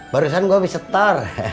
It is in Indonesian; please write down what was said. barusan gw abis setor